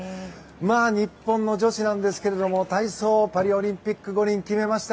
日本の女子ですが体操、パリオリンピック五輪決めました。